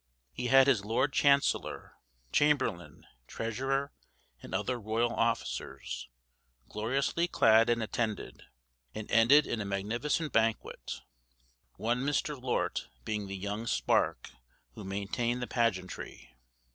He had his lord chancellor, chamberlain, treasurer, and other royal officers, gloriously clad and attended; and ended in a magnificent banquet; one Mr. Lort being the "young spark" who maintained the pageantry.